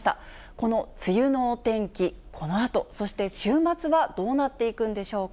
この梅雨のお天気、このあと、そして週末はどうなっていくんでしょうか。